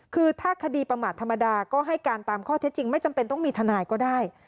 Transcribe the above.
คือถ้าคดีประมาทธรรมดาก็ให้การตามข้อเท็จจริงไม่จำเป็นต้องมีทนายก็ได้